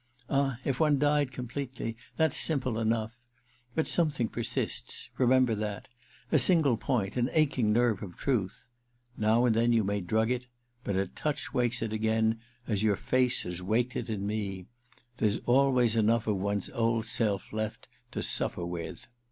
Ah, if one died conjh pletely — that's simple enough ! But something 312 THE QUICKSAND iii persists — remember that — a single point, an aching nerve of truth. Now and then you may drug it — ^but a touch wakes it again, as your face has waked it in me. There's sdways enough of one's old self left to sufier with. ...'